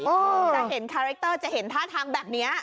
จะเห็นคาแรคเตอร์จะเห็นท่าทางแบบนี้